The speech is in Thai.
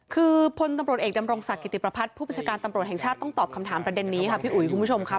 คือพลตำรวจเอกดำรงศักดิติประพัฒน์ผู้บัญชาการตำรวจแห่งชาติต้องตอบคำถามประเด็นนี้ค่ะพี่อุ๋ยคุณผู้ชมครับ